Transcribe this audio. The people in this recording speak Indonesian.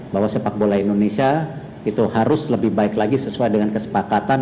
bahwa sepak bola indonesia itu harus lebih baik lagi sesuai dengan kesepakatan